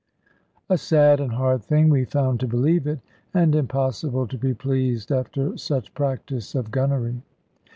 A sad and hard thing we found to believe it, and impossible to be pleased after such practice of gunnery.